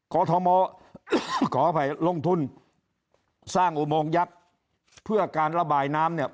อทมขออภัยลงทุนสร้างอุโมงยักษ์เพื่อการระบายน้ำเนี่ย